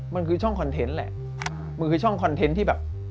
มันคือช่องคอนเทนต์แหละมันคือช่องคอนเทนต์ที่แบบ